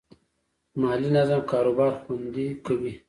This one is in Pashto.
مالي نظم کاروبار خوندي کوي.